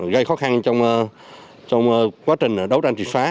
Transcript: gây khó khăn trong quá trình đấu tranh trị phá